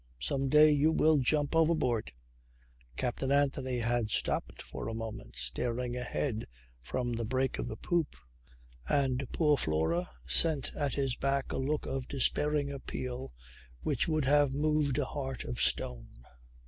Some day you will jump overboard." Captain Anthony had stopped for a moment staring ahead from the break of the poop, and poor Flora sent at his back a look of despairing appeal which would have moved a heart of stone.